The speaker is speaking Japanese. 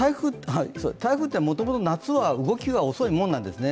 台風って元々夏は動きが遅いもんなんですね。